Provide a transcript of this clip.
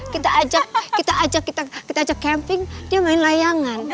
kita ajak kita ajak kita ajak camping dia main layangan